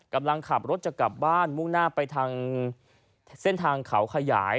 กำลังขับรถจะกลับบ้านมุ่งหน้าไปทางเส้นทางเขาขยาย